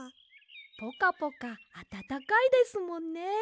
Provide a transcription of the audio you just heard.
ポカポカあたたかいですもんね。